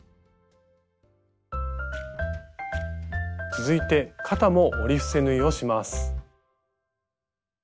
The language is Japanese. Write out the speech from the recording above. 続いて肩も折り伏せ縫いをします。